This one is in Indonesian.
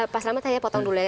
pak selamat saya potong dulu ya